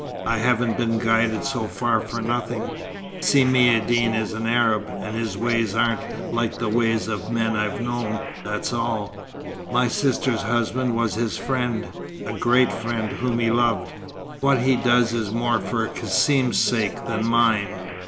"I haven't been guided so far for nothing. Si Maïeddine is an Arab, and his ways aren't like the ways of men I've known, that's all. My sister's husband was his friend a great friend, whom he loved. What he does is more for Cassim's sake than mine."